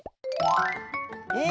え